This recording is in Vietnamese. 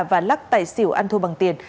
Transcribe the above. và lắc tẩy xỉu ăn thu bằng tiền